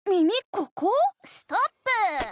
ここ⁉ストップー！